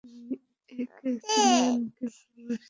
তুমি এক সিসিলিয়ানকে ভালবাসতে।